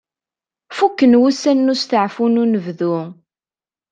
Fukken wussan n usteɛfu n unebdu.